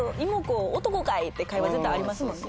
って会話絶対ありますもんね。